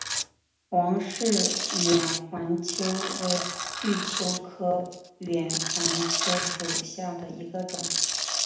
王氏远环蚓为巨蚓科远环蚓属下的一个种。